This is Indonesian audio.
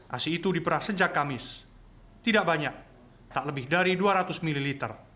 asi itu diperah sejak kamis tidak banyak tak lebih dari dua ratus ml